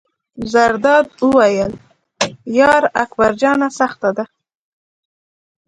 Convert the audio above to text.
زرداد وویل: یار اکبر جانه سخته ده.